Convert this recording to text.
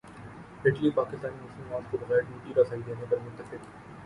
Italy Pakistani مصنوعات کو بغیر ڈیوٹی رسائی دینے پر متفق